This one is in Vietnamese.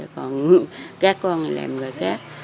các con thì làm người khác